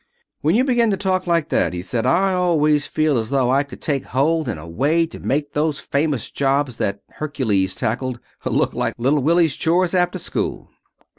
"When you begin to talk like that," he said, "I always feel as though I could take hold in a way to make those famous jobs that Hercules tackled look like little Willie's chores after school."